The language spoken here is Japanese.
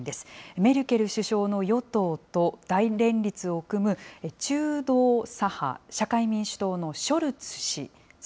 メルケル首相の与党と大連立を組む中道左派、社会民主党のショルツ氏。